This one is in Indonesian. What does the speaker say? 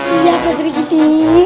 iya pak sri kiti